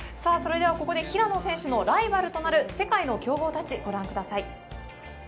平野選手のライバルとなる世界の強豪たちをご覧ください。